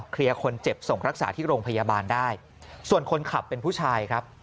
คนเจ็บส่งรักษาที่โรงพยาบาลได้ส่วนคนขับเป็นผู้ชายครับ